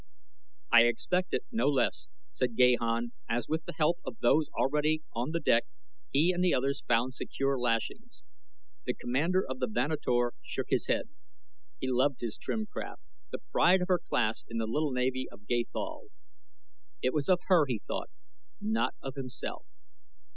"I expected no less," said Gahan, as with the help of those already on the deck he and the others found secure lashings. The commander of the Vanator shook his head. He loved his trim craft, the pride of her class in the little navy of Gathol. It was of her he thought not of himself.